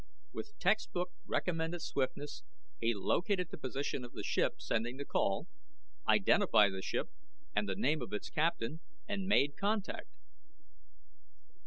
With textbook recommended swiftness, he located the position of the ship sending the call, identified the ship and the name of its captain, and made contact.